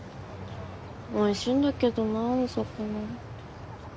おいしいんだけどなお魚。